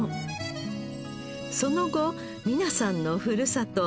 その後美奈さんのふるさと